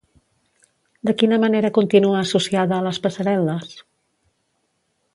De quina manera continua associada a les passarel·les?